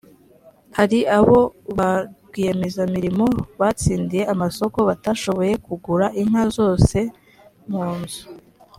hari aho ba rwiyemezamirimo batsindiye amasoko batashoboye kugura inka zose munzu